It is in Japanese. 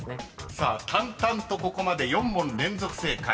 ［さあ淡々とここまで４問連続正解］